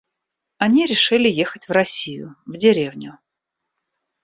Они решили ехать в Россию, в деревню.